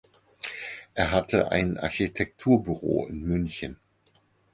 Er hatte ein Architekturbüro in München.